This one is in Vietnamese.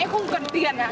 em không cần tiền à